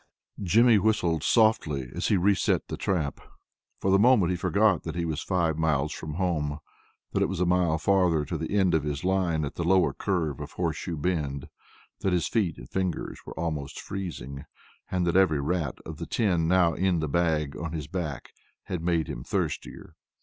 Jimmy whistled softly as he reset the trap. For the moment he forgot that he was five miles from home, that it was a mile farther to the end of his line at the lower curve of Horseshoe Bend, that his feet and fingers were almost freezing, and that every rat of the ten now in the bag on his back had made him thirstier.